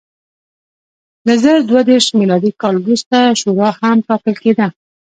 له زر دوه دېرش میلادي کال وروسته شورا هم ټاکل کېده.